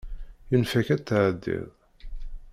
Yunef-ak ad tɛeddiḍ.